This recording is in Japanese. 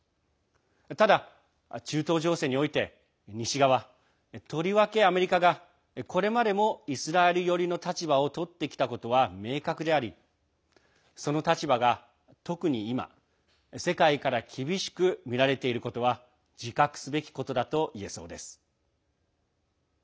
ただ、中東情勢において西側、とりわけアメリカがこれまでもイスラエル寄りの立場をとってきたことは明確でありその立場が特に今、世界から厳しく見られていることは自覚すべきことだといえそうです。